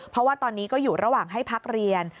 เพราะว่าตอนนี้ก็อยู่ระหว่างให้พักเรียน